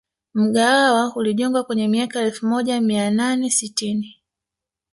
Mgahawa ulijengwa kwenye miaka ya elfu moja mia nane sitini